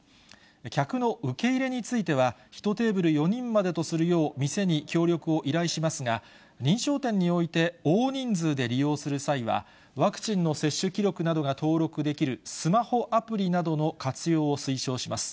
客の受け入れについては、１テーブル４人までとするよう、店に協力を依頼しますが、認証店において大人数で利用する際は、ワクチンの接種記録などが登録できるスマホアプリなどの活用を推奨します。